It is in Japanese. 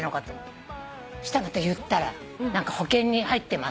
そしたら言ったら「何か保険に入ってますか？」